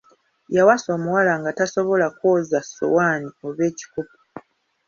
Yawasa omuwala nga tasobola kwoza ssowaanoi oba ekikopo.